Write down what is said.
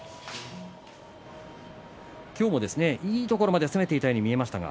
今日もいいところまで攻めていたように見えましたが。